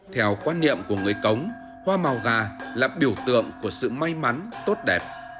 theo quan niệm của người cống hoa màu gà là biểu tượng của sự may mắn tốt đẹp